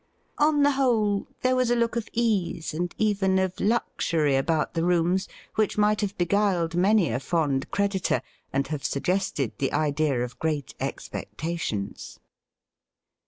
On the whole, there was a look of ease, and even of luxury, about the rooms which might have beguiled many a fond creditor, and have suggested the idea of great expectations.